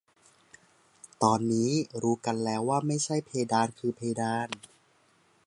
ตอนนี้รู้กันแล้วว่าไม่ใช่ เพดานคือเพดาน